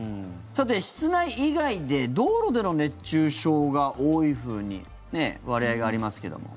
室内以外で道路での熱中症が多いふうに割合がありますけども。